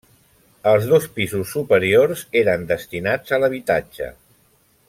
Els dos pisos superiors eren destinats a l'habitatge.